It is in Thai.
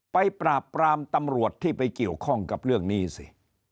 ปราบปรามตำรวจที่ไปเกี่ยวข้องกับเรื่องนี้สิ